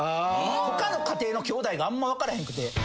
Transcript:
他の家庭のきょうだいがあんま分かれへんくて。